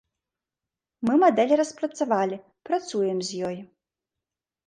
Мы мадэль распрацавалі, працуем з ёй.